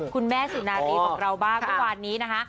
คุณแม่สุนาธิบอกเราบ้างว่านี้นะฮะ